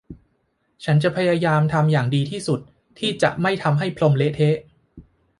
ฉันจะพยายามทำอย่างดีที่สุดที่จะไม่ทำให้พรมเละเทะ